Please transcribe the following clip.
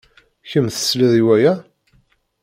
Kemm tesliḍ i waya?